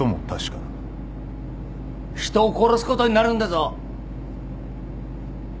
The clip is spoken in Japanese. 人を殺すことになるんだぞ！？